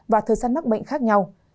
và thời gian mắc bệnh khác nhau